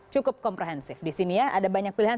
cukup komprehensif di sini ya ada banyak pilihan